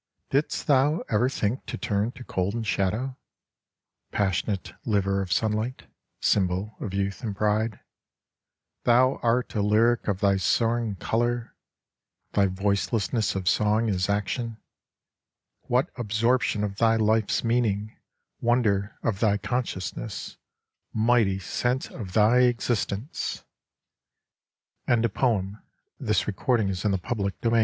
Didst thou ever think to turn to cold and shadow ? Passionate liver of sunlight, Symbol of youth and pride ; Thou art a lyric of thy soaring colour ; Thy voicelessness of song is action. What absorption of thy life's meaning. Wonder of thy consciousness, — Mighty sense of thy existence ! 90 SHADOW My song is sung, but a moment